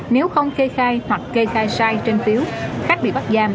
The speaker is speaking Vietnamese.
nếu không kê khai hoặc kê khai sai trên phiếu khách bị bắt giam